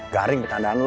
garing pertandaan lo